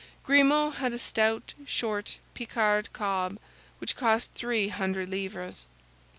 Grimaud had a stout, short Picard cob, which cost three hundred livres.